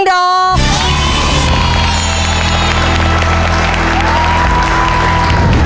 เร็วมาก